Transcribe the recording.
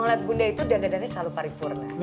ibu ibu selalu paripurna